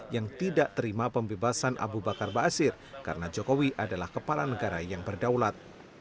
yang tidak terima pembebasan abu bakar basir karena jokowi adalah kepala negara yang berdaulat